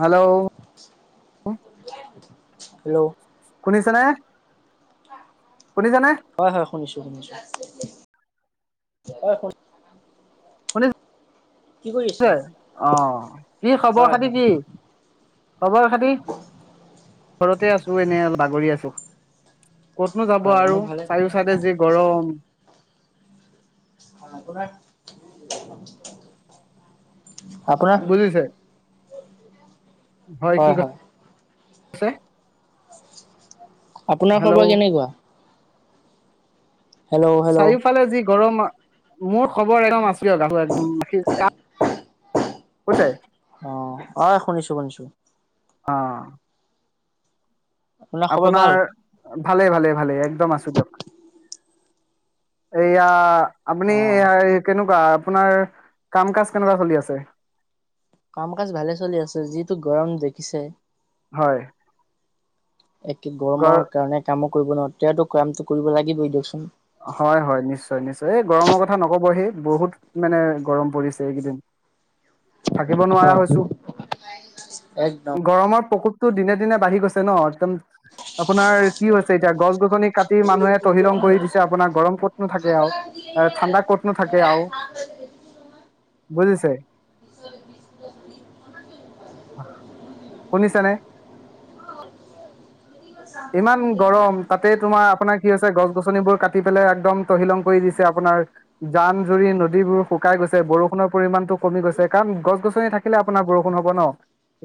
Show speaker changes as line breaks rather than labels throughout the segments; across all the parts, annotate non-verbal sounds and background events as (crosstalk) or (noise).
Hello
hello
শুনিছেনে। শুনিছেনে
হয় হয় শুনিছোঁ শুনিছোঁ। হয় শুনি
(unintelligible) ছে অহঁ কি খবৰ
হয়
খাতি
হয়।
কি? খবৰ খাতি ঘৰতে আছোঁ এনে অলপ বাগৰি আছোঁ। ক'তনো যাব
হয়
আৰু
মোৰ ভালে খবৰ
চাৰিও চাইেদে যি গৰম।
অহঁ কৰা
বুজিছে হয় কি কথাঁ কইছে
আপোনাৰ খবৰ কেনেকুৱা? Hello hello.
চাৰিওফালে যি গৰম মোৰ খবৰ একদম আছো আৰু একদম কৈছে।
অ, অ' শুনিছো, শুনিছো।
অ'।
খবৰ ভাল
আপোনাৰ ভালে, ভালে ভালেই একদম আছো দিয়ক। এয়া। আপুনি
অ
কেনেকুৱা আপোনাৰ কাম কাজ কেনেকুৱা চলি আছে।
কাম কাজ ভালে চলি আছে যিটো গৰম দেখ পিছে
হয়।
এক
ঘৰ
গৰমৰ কাৰণে কামক কৰিব নোৱাত তেয়াতো কামতো কৰিব লাগিবই দিয়কচোন।
হয় হয় নিশ্চয় নিশ্চয় এই গৰমৰ কথা নকব হে বহুত মানে গৰম পৰিছে এইকেইদিন। থাকিব নোৱাৰা
হয়
হৈছো
একদম
গৰমৰ প্ৰকোপ। তো দিনে দিনে বাঢ়ি গৈছে নত তম আপোনাৰ কি হৈছে এতিয়া গছ-গছনি কাটি মানুহে তহিলং কৰি দিছ তে আপোনাক গৰম ক'তনো থাকে আও। আ ঠাণ্ডা ক'তনো থাকে আও, বুজিছে? শুনিছে নে? ইমান গৰম তাতে তোমাৰ আপোনাক সি হৈছে গছ-গছনিবোৰ কাটি পেলাই একদম তটহিলং কৰি দিছে আপোনাৰ জান-জুৰি নদীবোৰ শুকাই গৈছে বৰষুণৰ পৰিমাণটো কমি গৈছে। কাৰণ গছ-গছনি থাকিলে আপোনাৰ বৰষুন হ'ব ন।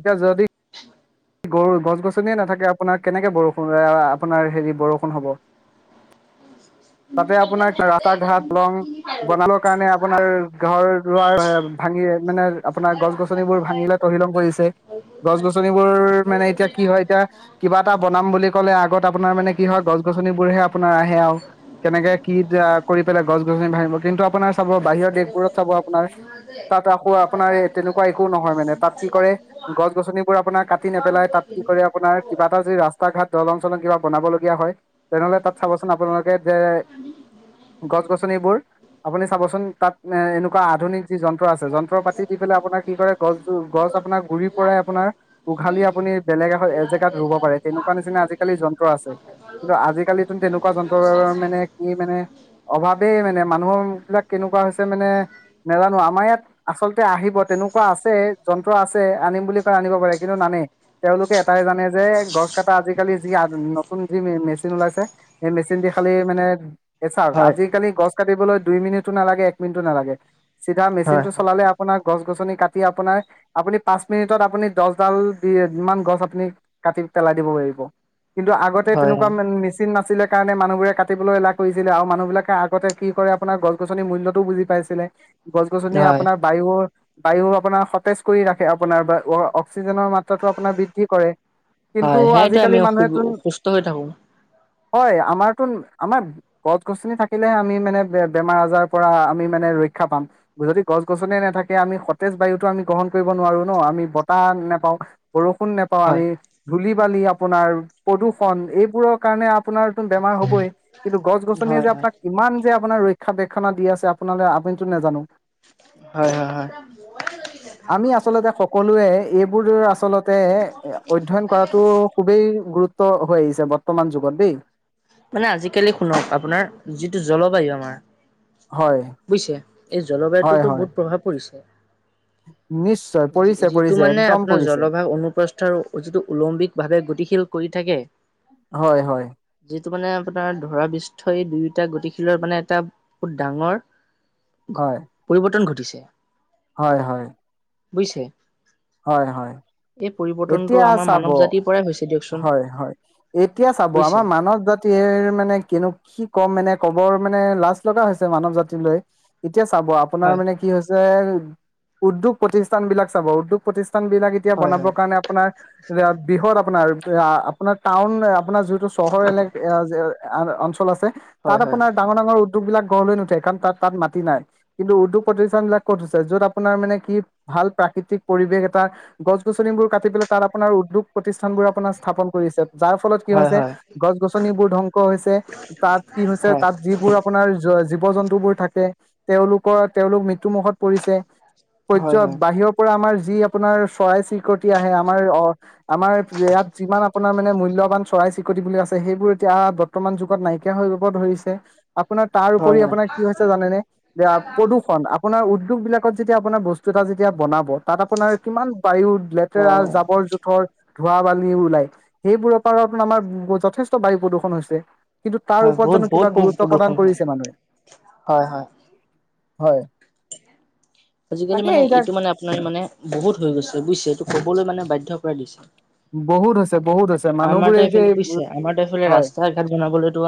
এতিয়া যদি
হয়।
গৰু-গছনিয়ে নাথাকে আপোনাৰ কেনেকে বৰষু আপোনাৰ হেৰি বৰষুণ হ'ব। তাতে আপোনাৰ (inaudible) ঘাট লং বনাবৰ কাৰণে আপোনাৰ ঘৰ দুৱাৰ ভাঙি মানে আপোনাৰ গছ-গছনিবোৰ ভাঙিলে তহিলং কৰিছে। গছ, গছনি? মানে এতিয়া কি হয়, এতিয়া কিবা এটা বনাম বুলি ক'লে আগত আপোনাৰ মানে কি হয়, গছ-গছনিবোৰহে আপোনাৰ আহে আৰু কেনেকে কি কৰি পেলাই গছ-গছনি ভঙিব কিন্তু? আপোনাৰ চাব বাহিৰৰ দেশবোৰত চাব আপোনাৰ তাত আকৌ আপোনাৰ তেনেকুৱা একো নহয় মানে। তাত কি কৰে গছ গছনিবোৰ আপোনাক? নেপেলাই তাত কি কৰে, আপোনাৰ কিবা এটা যদি-ৰাস্তা ঘাট দলং, চলং কিবা বনাব লগীয়া হয়। তেনেহলে তাত চাবচোন আপোনালোকে যে, গছ-গছনিবোৰ আপুনি চাবচোন। তাত এ, এনেকুৱা আধুনিক। য-যন্ত্ৰ আছে। যন্ত্ৰ পাতি দি পেলাই আপোনাৰ কি কৰে, গছ-গছ আপোনাৰ গুৰি পৰাই আপোনাৰ। উঘালি আপুনি বেলেগ এ, এজেগাত ৰুব পাৰে তেনেকুৱা নিচিনা আজিকালি যন্ত্ৰ আছে। কিন্তু আজিকালি তেনেকুৱা যন্ত্ৰৰ মানে কি মানে অভাৱেই মানে মানুহ বিলাক কেনেকুৱা হৈছে, মানে নাজানো আমাৰ ইয়াত আচলতে আহিব তেনেকুৱা আছে, যন্ত্ৰ আছে। আনিম বুলি কয় আনিব পাৰে। কিন্তু নানেই তেওঁলোকে এটাই জানে যে গছ কটা আজিকালি যি নতুন যি মেচিন ওলাইছে সেই মেচিন দি খালি মানে এ, চাওক
হয়
আজিকালি গছ? কাটিবলৈ দুই মিনিটো নালাগে, এক মিনিটো নালাগে। চিধা
হয়
মেচিন
হয়
টো চলালে আপোনাক? গছ-গছনি কাটি আপোনাৰ, আপুনি পচ মিনিটত আপুনি দহ ডাল যিমান গছ আপুনি কাটি পেলাই দিব পাৰিব। কিন্তু আগতে
হয়
তেনেকুৱা মেচিন নাছিল নাছিলে কাৰণে মানুহবোৰে কাটিবলৈ এলা কৰিছিলে, আৰু মানুহ বিলাকে আগতে কি কৰে, আপোনাৰ গছ গছনিৰ মূল্যটোও বুজি পাইছিলে। গছ, গছনি
হয়
আপোনাৰ বায়ুৰ বায়ু আপোনাৰ সতেজ কৰি ৰাখে, আপোনাৰ বা, অ। অক্সিজেনৰ মাত্ৰাটো আপোনাৰ বৃদ্ধি কৰে। কিন্তু
হয় সেইটোৱে
আজিকালি
আমি সু
মানুহ চোন
সুস্থ হৈ থাকো
হয়, আমাৰতো আমাৰ গছ-গছনি থাকিলেহে, আমি মানে বেমাৰ আজাৰৰ পৰা আমি মানে ৰক্ষা পাম। যদি গছ গছনিে নাথাকে আমি সতেজ বায়ুতো আমি গ্ৰহণ কৰিব নোৱাৰো ন। আমি ব তা, নেপাও। বৰষুণ নেপাওঁ,
হয়
আমি ধূলি। আপোনাৰ প্ৰদূষণ এইবোৰ কাৰনে আপোনাৰতোন বেমাৰ হ'বই, কিন্তু গছ-গছনিয়
হয়
যে
হয়
আপোনাক কিমান? যে আপোনাৰ ৰক্ষাবেক্ষণা দি আছে আপোনালৈ আপুনিতো নেজানো।
হয় হয় হয়।
আমি আচলতে সকলোৱে? এইবোৰ আ আচলতে অধ্যয়ন কৰাতটো খুবেই গুৰুত্ব। ত্ব হৈ আহিছে বৰ্তমান যুগত দেই।
মানে আজিকালি শুনক আপোনাৰ যিটো জলবায়ু আমাৰ
হয়
বুজিছে? এই
হয়
জলবায়ুততো
হয়
বহুত প্ৰভাৱ পৰিছে।
নিশ্চয়
যি
পৰিছে
যিটো
পৰিছে
মানে
একদম
আপোনাৰ
পৰিছে
জলভাগ অনুপ্ৰস্থৰ যিটো ওলম্বিক ভাৱে গতিশীল কৰি থাকে।
হয়, হয়।
যিটো মানে আপোনাৰ ধৰাপৃষ্ঠই দুয়োটা গতিশীলৰ মানে এটা বহুত ডাঙৰ
হয়
পৰিৱৰ্তন ঘটিছে (inaudible)
হয়, হয়।
বুজিছে?
হয়, হয়।
এই পৰিৱৰ্তনটো
এতিয়া
আমাৰ
চাব
মানৱ জাতিৰ পৰাই হৈছে দিয়কচোন
হয় হয় এতিয়া চাব
বুজিছে
আমাৰ মানৱ জা তিৰ মানে কিনো কি কম মানে ক'বৰ মানে লাজ লগা হৈছে মানৱ জাতিলৈ এতিয়া চাব আপোনাৰ
হয়
মানে কি হৈছে উদ্যোগ প্ৰতিষ্ঠান বিলাক চাব উদ্যোগ প্ৰতিষ্ঠান বিলাক এতিয়া
হয়
বনাব
হয়।
আপোনাৰ বৃহৎ আপোনাৰ আ আপোনাৰ টাউন আপোনাৰ যিহেতু চহৰ এলেক এয়া যে আ অঞ্চল আছে। তাত
হয় হয়
আপোনাৰ ডাঙৰ, ডাঙৰ উ দ্যোগ বিলাক গঢ় লৈ নুঠে কাৰণ তাত-তাত মাটি নাই, কিন্তু উদ্যোগ প্ৰতিষ্ঠান বিলাক ক'ত হৈছে য'ত আপোনাৰ মানে কি ভাল প্ৰাকৃতিক পৰিৱেশ এটা গছ -গছ বোৰ কাটি পেলাই তাত আপোনাৰ উদ্যোগ প্ৰতি স্থানবোৰ আপোনাৰ স্থাপন কৰিছে, যাৰ ফলত কি
হয়
হৈছে
হয়
গছ-গছনিবোৰ ধ্বংস হৈছে, তাত কি হৈছে
হয়
তাত যিবোৰ আপোনাৰ য যি জীৱ-জন্তুবোৰ থাকে তেওঁলোকৰ তেওঁলোক মৃ ত্যু মুখত পৰিছে,
হয় হয় হয়
সূৰ্য্য বাহিৰৰ পৰা আমাৰ যি আপোনাৰ চৰাই চিৰি কটি আহে আমাৰ অ, আমাৰ ইয়াত যিমান আপোনাৰ মানে মূল্যবান চৰাই-চৰিকটি বুলি আছে সেইবোৰ এতিয়া বৰ্তমান যুগত নাইকিয়া হৈ যাব ধৰিছে। আপোনাৰ তাৰ
হয়
উপৰি
হয়
আপোনাৰ কি হৈছে জানেনে? আ প্ৰদূষণ আপোনাৰ উ দ্যোগ বিলাকত যেতিয়া আপোনাৰ বস্তু এটা যেতিয়া বনাব তাত আপোনাৰ কিমানবা ৰ লেতেৰা
হয়
জাবৰ-জোথৰ ধোৱা-বালি ওলাই, সেইবোৰৰ পৰাতো আমাৰ যথেষ্ট বায়ু প্ৰদূৰষণ হৈছে। কিন্তু তাৰ
হয়
ওপৰত
বহুত
জানো
বহুত
কিবা গুৰুত্ব প্ৰদান
প্ৰদূষণ হয়।
কৰিছে মানুহে?
হয় হয়
হয়
আজিকালি
তাকে
মানে
এতিয়া
এইটো মানে আপোনাৰ মানে বহুত হৈ গৈছে বুজিছেটো ক'বলৈ মানে বাধ্য কৰাই দিছে
বহুত হৈছে। বহুত হৈছে মানুহবোৰে
আমাৰতো এইফালে
এতিয়া
বুইছে আমাৰতো এইফালে
হয়
ৰাস্তা-ঘাট বনাবলৈতো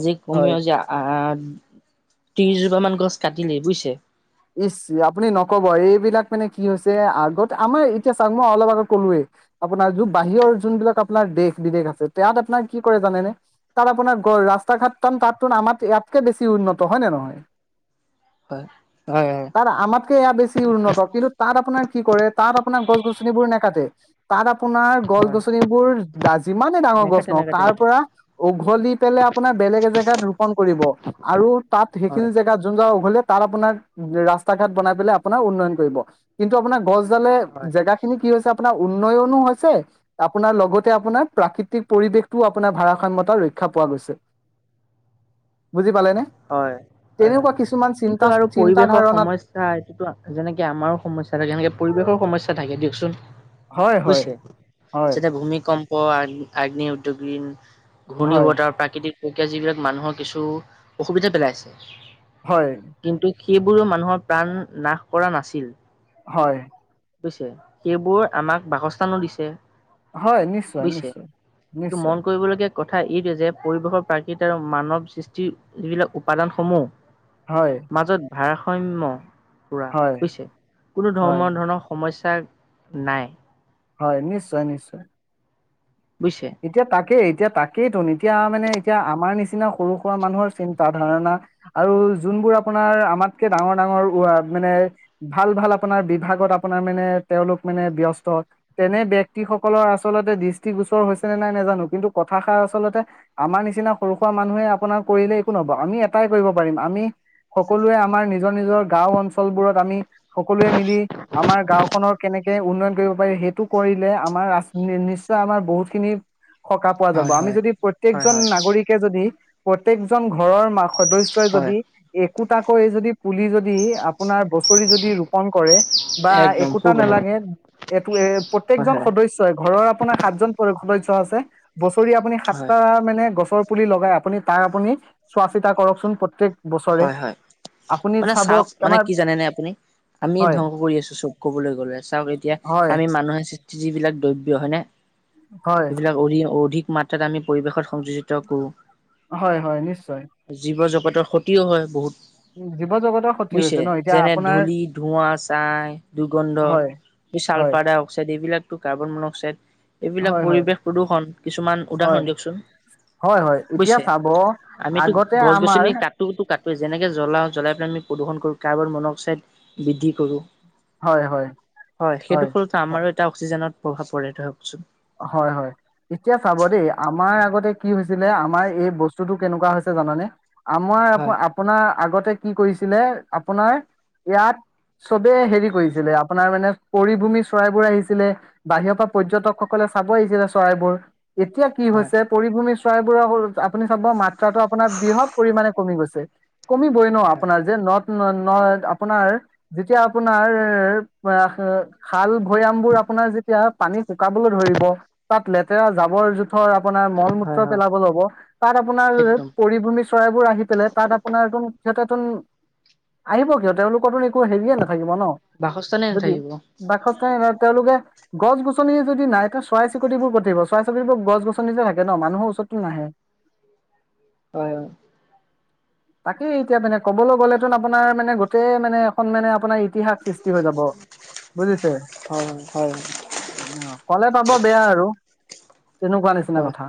আজি
হয়
কমেও যে আহ ত্ৰিশজোপা মান গছ কাটিলেই বুইছে
ইচ আপুনি নকব এইবিলাক মানে কি হৈছে আগতে আমাৰ এতিয়া চাওক মই অলপ আগত কলোৱেই আপোনাৰ য বাহিৰৰ যোনবিলাক আপোনাৰ দেশ বিদেশ আছে তাত আপোনাৰ কি কৰে জানেনে তাত আপোনাৰ ৰাস্তা ঘাট তাম তাততো আমাৰ ইয়াতকে বেছি উন্নত হয় নে নহয়
হয়। হয় হয়
তাত ভাতকে এয়া বেছি উন্নত কিন্তু তাত আপোনাৰ কি কৰে, তাত আপোনাৰ গছ গছনিবোৰ নাকাটে তাত আপোনাৰ
হয়
গছ-গছনিবোৰ যিমানে ডাঙৰ গছ
নেকাটে
নহওক
নেকাটে
তাৰ
নেকাটে
পৰা উঘলি পেলাই আপোনাৰ বেলেগ এজেগাত ৰোপন কৰিব আৰু তাত সেইখিনি
হয়
জেগাত যোন জা উঘলি তাত আপোনাৰ ৰাস্তা ঘাট বনাই পেলাই আপোনাৰ উন্নয়ন কৰিব, কিন্তু আপোনাৰ গছ
হয়
জেগা খিনি কি হৈছে- আপোনাৰ উন্নয়নো হৈছে, আপোনাৰ লগতে, আপোনাৰ প্ৰাকৃতিক পৰিৱেশটোও আপোনাৰ ভাৰাসাম্যয়তা ৰক্ষা পোৱা গৈছে। বুজি পালে ন!
হয় হয় হয়
তেনেকুৱা কিছুমান
কিন্তু
চিন্তা-
আৰু
চিন্তা
পৰিৱেশৰ
ধাৰণাত
সমস্য়া এইটোতো, যেনেকে আমাৰো সমস্যা থাকে, এনেকে পৰিৱেশৰ সমা- সমস্যা থাকে দিয়কচোন।
হয় হয়
বুজছে
হয়
যতে ভূমি কম, অ আগ্নি উদ্যোগী, ঘূৰ্ণিব,
হয়,
তাৰ প্ৰাকৃতিক প্ৰক্ৰিয়া, যিবিলাক মানুহৰ কিছু- অসুবিধা পেলাইছে।
হয়।
কিন্তু সেইবোৰো মানুহৰ প্ৰাণ নাশ কৰা নাছিল।
হয়।
বুইছে, সেইবোৰ আমাক বাসস্থানো দিছে।
হয় নিশ্চয়,
বুজিছে।
নিশ্চয়,
কিন্তু মন
নিশ্চয়,
কৰিবলগীয়া কথা এইটোৱে যে পৰিৱেশৰ প্ৰাকৃতি আৰু মানৱ সৃষ্টিৰ যিবিলাক উপাদানসমূহ-
হয়।
ভাৰাসাম্য- পুৰা
হয়,
হৈছে। কোনো
হয়,
ধৰ্মৰ ধৰণৰ- সমস্যা নাই।
হয় নিশ্চয়, নিশ্চয়।
বুজিছে।
এতিয়া তাকে- এতিয়া তাকেইতো, এতিয়া মানে (unintelligible) এতিয়া আমাৰ নিচিনা সৰু সুৰা মানুহৰ চিন্তা ধাৰণা আৰু যোনবোৰ আপোনাৰ আমাতকে ডাঙৰ ডাঙৰ মানে ভাল ভাল আপোনাৰ বিভাগত আপোনাৰ মানে তেওঁলোক মানে ব্যস্ত তেনে ব্যক্তিসকলৰ আচলতে দৃষ্টিগোচৰ হৈছে (unintelligible) সকলোৱে মিলি আমাৰ- গাঁওখনৰ কেনেকৈ উন্নয়ন কৰিব পাৰি সেইটো কৰিলে আমাৰ নিশ্চয় আমাৰ বহুতখিনি সকাহ পোৱা যাব
হয়
আমি
হয়
যদি
হয়
প্ৰত্যেকজন
হয়
নাগৰিকে যদি প্ৰত্যেকজন ঘৰৰ মা সদস্য়ই
হয়
যদি এই কুটাকৈ যদি পুলি যদি আপোনাৰ বছৰি যদি ৰোপণ কৰে বা
একদম
একোটা
খুব ভাল।
নালাগে এইটো এ
হয়
প্ৰত্যেকজন
হয়
সদস্যই ঘৰৰ আপোনাৰ সাতজন সদস্য চে বছৰি আপুনি
হয়।
সাতটা মানে গছ ৰ পুলি লগাই আপুনি তাক আপুনি চোৱা চিতা কৰকচোন প্ৰত্যেক বছৰে
হয় হয়
আপুনি
মানে
চাব
চাওক মানে
আমাৰ
কি জানে নে আপুনি আমি
হয়
ধ্বংস কৰি আছো চব কবলৈ গলে চাওক এতিয়া
হয়
আমি মানুহে যিবিলাক দ্ৰব্য হয় নে
হয়
এইবিলাক অধ-অধিক মাত্ৰাত আমি পৰিৱেশত সংযোজিত কৰোঁ।
হয়, হয়, নিশ্চয়।
প্ৰদৰ্শত তি হয় বহুত।
জীৱ জগতৰ ক্ষতি
বুজছে
হৈছে ন এতিয়া
যেনে
আপোনাৰ
ধূলি, ধোঁৱা, ছাই, দুৰ্গন্ধ,
হয় হয়
ছালফাৰ ডাই অক্সাইড এইবিলাক টো কাৰ্বন মনক্সাইড এইবিলাক
হয় হয়
পৰিৱেশ প্ৰদূৰ্ষণ কিছুমান
হয়
উদাহৰণ দিয়কচোন,
হয় হয় এতিয়া
বুজিছে
চাব
আমিতো
আগতে আমাৰ
গছ-গছনি কাট কা যেনেকে জ্বলা জ্বলাই পেলাই আম প্ৰদূষণ কৰো কাৰ্বাৰ মনক্সাইড বৃদ্ধি কৰোঁ।
হয় হয়
হয়, সেইটো ফলত আমাৰো এটা অক্সিজেনত প্ৰভাৱ পৰে ধৰকচোন।
হয়, হয় এতিয়া চাব দেই আমাৰ আগতে কি হৈছিলে আমাৰ এই বস্তুটো কেনেকুৱা হৈছে জানানে? আমাৰ
হয়
আপ-আপোনাৰ আগতে কি কৰিছিলে আপোনাৰ ইয়াত চবে হেৰি কৰিছিলে আপোনাৰ মানে পৰিভূমি চৰাইবোৰ আহিছিলে বাহিৰৰ পৰা পৰ্যটক ক'লে চাব আহিছিলে চৰাইবোৰ। এতিয়া কি
হয়
হৈছে পৰিভূমি ৰাইবোৰ হ'ল আপুনি চাব মা ত্ৰ্টো আপোনাৰ বৃহৎ পৰিমাণে কমি গৈছে। কমিবই ন'
হয়।
আপোনাৰ যে নথ ন' আপোনাৰ যেতিয়া আপোনাৰ খাল ভৈয়াম বোৰ আপোনাৰ যেতিয়া পানী শুক ধৰিব তাত লেতেৰা জাবৰ থৰ আপোনাৰ মল-মূত্ৰ
হয় হয়
পেলাব ল'ব তাত আপোনাৰ
একদম
পৰিভূমি চৰাইবোৰ আহি পেলাই তাত আপোনাৰদহ ইয়াতে নতুত আহিব কিয় তেওঁলোকো একো হেৰিয়ে নাথাকিব ন'
বাসস্থানে
যদি
নাথাকিব।
বাসস্থান নহ তেওঁলোকে গছ-গছনি যদি নাই চৰাই চিৰিকতিবোৰ পঠিব চৰাই চিৰিকতিবোৰ গছ-গছনিতে থাকে ন' মানুহৰ ওচৰতো নাহে।
হয়, হয়।
তাকেই এতিয়া মানে ক'বলৈ গ'লেতোন আপোনাৰ মানে গোটেই মানে এখন মানে আপোনাৰ ইতিহাস সৃষ্টি হৈ যাব বুজিছে
হয় হয়
অ'। পাব বেয়া আৰু তেনেকুৱা নিচিনা
হয়,
কথা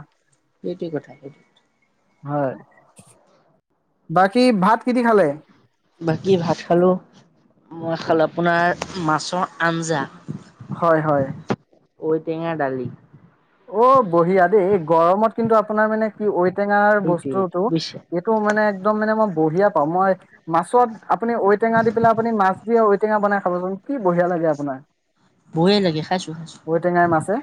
সেইটোৱে কথা, সেইটো কথা।
হয়। বাকি ভাত কেতি খালে?
বাকী ভাত খালো, মই খালো আপোনাৰ মাছৰ আঞ্জা।
হয় হয়।
টেঙা দালি।
অ বঢ়িয়া দেই এই গৰমত কিন্তু আপোনাৰ মানে কি। ঔটেঙাৰ
সেইটোৱে
বস্তুটো
বুজিছে
এইটো মানে একদম মানে মই। বঢ়িয়া পাওঁ মই মাছত। আপুনি ঔটেঙা দি পেলাই আপুনি মাছদিয়ে। ঔটেঙা বনাই খাবচোন কি বৰিয়া লাগে আপোনাৰ।
ভয়ে লাগে খাইছো খাইছো।
ঔটেঙাই মাছে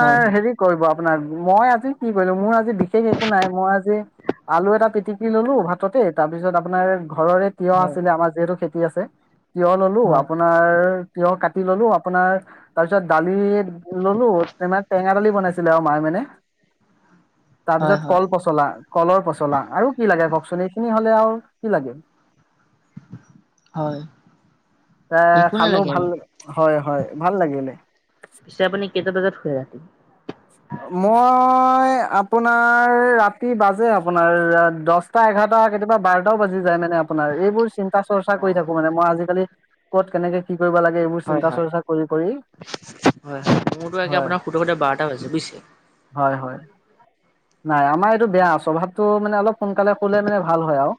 হয় হয়।
হেৰি কৰিব। আপোনাৰ মই আজি কি কৰিলো মোৰ আজি বিশেষ একো নাই মই আজি আলু এটা পিটিকি ললো ভাততে তাৰপিছত আপোনাৰ। ঘৰৰে তিয়হ
হয়
আছিলে আমাৰ যিহেতু খেতি আছে। তিয়হ ললো
হয়
আপোনাৰ তিয়হ কাটি। ললো আপোনাৰ তাৰ পিছত দালি ললো। তমে টেঙা দালি বনাইছিলে আৰু মায়ে মানে।
হয়
তাৰপিছত
হয়
কল পচলা। কলৰ পচলা আৰু কি লাগে কওকচোন এইখিনি হলে আৰু কি লাগে।
হয়।
এ
একো
খালো
নালাগে
ভাল
আৰু
হয় হয় ভাল লাগিলে।
পিছে আপুনি কেইটা বজাত ৰাতি।
মই। আপোনাৰ ৰাতি বাজে আপোনাৰ দহটা এঘাৰটা কেতিয়াবা বাৰটাও বাজি যায় মানে। আপোনাৰ এইবোৰ চিন্তা চৰ্চা
অ
কৰি থাকো মানে মই আজি কালি ক'ত। কেনে কি! কৰিব লাগে এইবোৰ
হয়,
চিন্তা
হয়,
চৰ্চা কৰি কৰি
হয়, হয় মোৰতো
হয়
আপোনাৰ সোধৰ সতে বাৰটা হৈছে।
হয় হয়। নাই আমাৰ এইটো বেয়া আ স্বভাৱতটো মানে অলপ সোনকালে কলে মানে ভাল হয় আও।